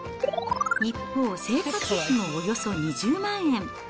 一方、生活費もおよそ２０万円。